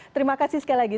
terima kasih sekali lagi